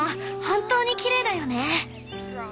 本当にきれいだよね。